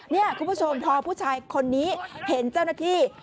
นี่คุณผู้ชมพอผู้ชายคนนี้เห็นเจ้าหน้าที่